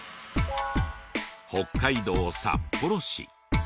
北海道札幌市。